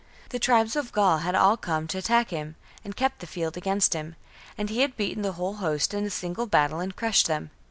The tribes of Gaul had all come to attack him, and kept the field against him ; and he had beaten the whole host in a single battle and crushed them.